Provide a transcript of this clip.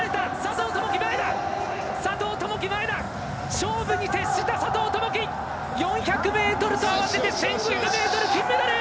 勝負に徹した佐藤友祈４００ｍとあわせて１５００ｍ金メダル！